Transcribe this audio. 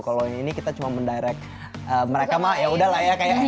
kalau yang ini kita cuma mendirect mereka mah yaudahlah ya kayak